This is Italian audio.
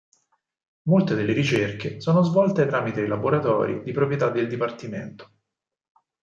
Molte delle ricerche sono svolte tramite i laboratori di proprietà del dipartimento.